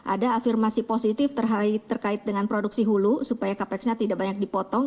ada afirmasi positif terkait dengan produksi hulu supaya capex nya tidak banyak dipotong